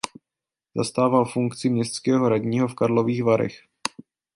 Zastával funkci městského radního v Karlových Varech.